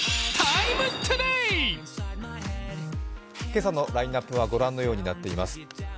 今朝のラインナップは御覧のようになっています。